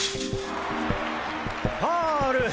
ファール！